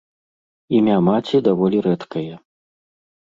Імя маці даволі рэдкае.